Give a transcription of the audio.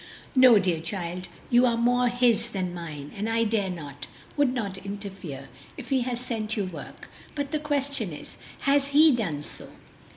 "No, dear child, you are more His than mine, and I dare not, would not interfere if He has sent you work; but the question is, has He done so?"